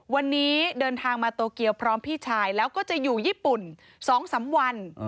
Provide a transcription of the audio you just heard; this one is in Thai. วันนี้เดินทางมาโตเกียวพร้อมพี่ชายแล้วก็จะอยู่ญี่ปุ่น๒๓วัน